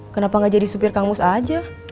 kenapa gak jadi supir kang mus aja